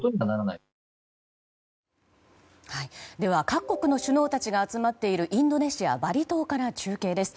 各国の首脳たちが集まっているインドネシア・バリ島から中継です。